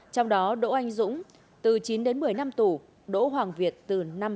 trong đó đỗ anh dũng từ chín đến một mươi năm tù đỗ hoàng việt từ năm năm tù